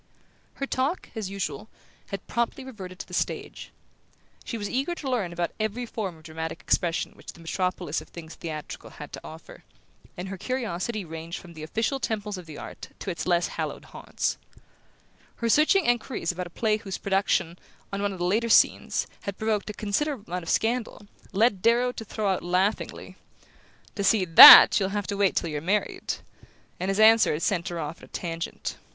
Her talk, as usual, had promptly reverted to the stage. She was eager to learn about every form of dramatic expression which the metropolis of things theatrical had to offer, and her curiosity ranged from the official temples of the art to its less hallowed haunts. Her searching enquiries about a play whose production, on one of the latter scenes, had provoked a considerable amount of scandal, led Darrow to throw out laughingly: "To see THAT you'll have to wait till you're married!" and his answer had sent her off at a tangent.